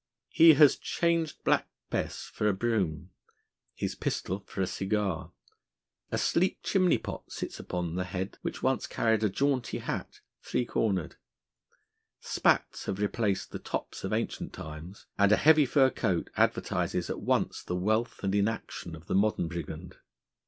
He has changed Black Bess for a brougham, his pistol for a cigar; a sleek chimney pot sits upon the head, which once carried a jaunty hat, three cornered; spats have replaced the tops of ancient times; and a heavy fur coat advertises at once the wealth and inaction of the modern brigand.